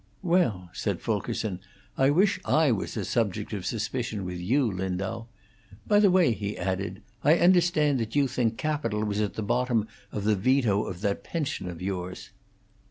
"Well," said Fulkerson, "I wish I was a subject of suspicion with you, Lindau. By the way," he added, "I understand that you think capital was at the bottom of the veto of that pension of yours."